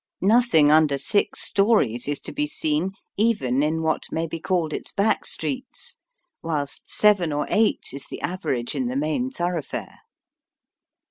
Nothing under six stories is to be seen even in what may be called its back streets, whilst seven or eight is the average in the main thoroughfare.